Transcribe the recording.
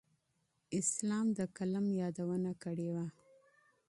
اسلام د قلم یادونه کړې وه.